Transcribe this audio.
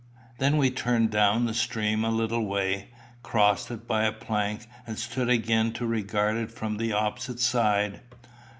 Then we turned down the stream a little way, crossed it by a plank, and stood again to regard it from the opposite side.